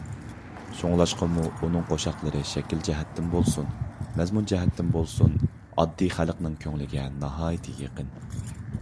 شۇڭلاشقىمۇ ئۇنىڭ قوشاقلىرى شەكىل جەھەتتىن بولسۇن، مەزمۇن جەھەتتىن بولسۇن، ئاددىي خەلقنىڭ كۆڭلىگە ناھايىتى يېقىن.